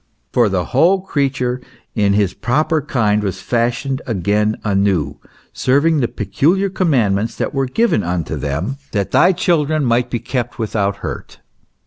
"For the whole crea ture in his proper kind, was fashioned again anew, serving the peculiar commandments that were given unto them, that thy children might be kept without hurt."